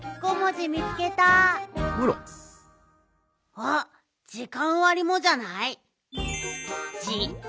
あっじかんわりもじゃない？